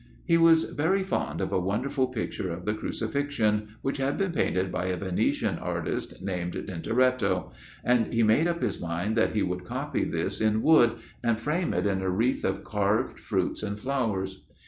He was very fond of a wonderful picture of the Crucifixion, which had been painted by a Venetian artist named Tintoretto, and he made up his mind that he would copy this in wood, and frame it in a wreath of carved fruits and flowers.